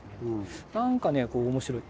なんかね面白い。